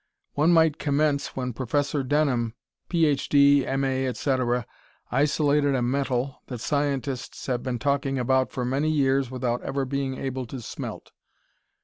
One might commence when Professor Denham, Ph. D., M. A., etc., isolated a metal that scientists have been talking about for many years without ever being able to smelt.